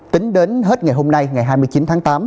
tính đến hết ngày hôm nay ngày hai mươi chín tháng tám